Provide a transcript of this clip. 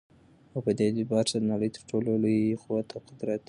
او په دي اعتبار سره دنړۍ تر ټولو لوى قوت او قدرت دى